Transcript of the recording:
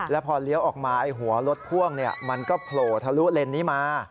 แล้วพอเลี้ยวออกมาหัวรถพ่วงมันก็โผล่ทะลุเลนนี้มา